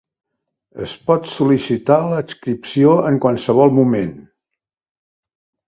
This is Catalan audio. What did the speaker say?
Es pot sol·licitar l'adscripció en qualsevol moment.